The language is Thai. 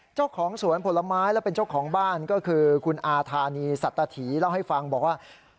เจ้าของสวนผลไม้และเป็นเจ้าของบ้านก็คือคุณอาธานีสัตถีเล่าให้ฟังบอกว่า